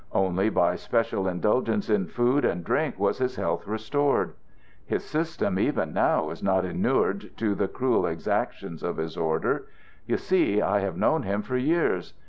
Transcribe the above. Only by special indulgence in food and drink was his health restored. His system even now is not inured to the cruel exactions of his order. You see, I have known him for years.